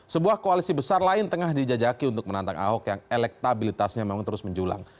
sebuah koalisi besar lain tengah dijajaki untuk menantang ahok yang elektabilitasnya memang terus menjulang